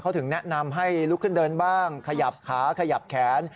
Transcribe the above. เขาถึงแนะนำให้ลุกขึ้นเดินบ้างขยับขาขยับแขน